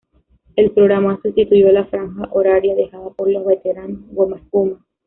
El programa sustituyó la franja horaria dejada por los veteranos "Gomaespuma".